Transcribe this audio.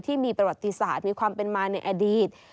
ที่มีประวัติศาสตร์มีความเป็นมาในอดีต